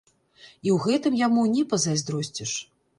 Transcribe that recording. І ў гэтым яму не пазайздросціш.